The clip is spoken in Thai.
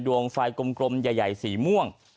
ดวงไฟกลมใหญ่สีม่วง